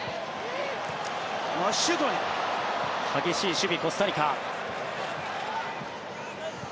激しい守備コスタリカ。